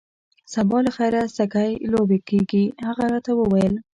سبا له خیره سکی لوبې کیږي. هغه راته وویل.